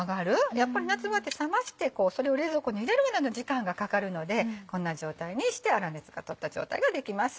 やっぱり夏場って冷ましてそれを冷蔵庫に入れるまでの時間がかかるのでこんな状態にして粗熱が取った状態ができます。